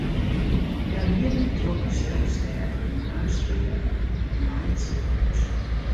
Hja rieden troch de stille stêd yn moarnssfear nei it sikehûs.